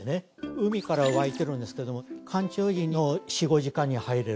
海から湧いてるんですけども干潮時の４５時間に入れる。